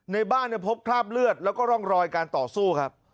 ในบ้านพบคราบเลือดแล้วก็ร่องรอยการต่อสู้ครับ